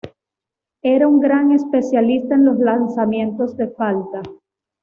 Era un gran especialista en los lanzamientos de falta.